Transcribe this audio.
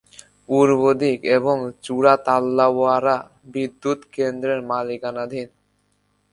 পূর্ব দিক এবং চূড়া তাল্লাওয়ারা বিদ্যুৎ কেন্দ্রের মালিকানাধীন।